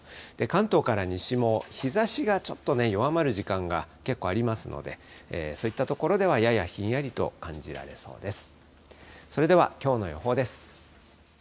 関東から西も日ざしがちょっとね、弱まる時間が結構ありますので、そういった所ではややひんやりと感じられそうです。